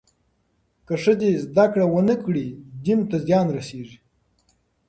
که ښځې زدهکړه ونه کړي، دین ته زیان رسېږي.